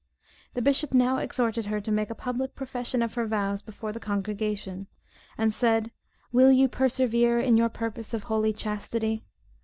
The bishop now exhorted her to make a public profession of her vows before the congregation, and said, "Will you persevere in your purpose of holy chastity?"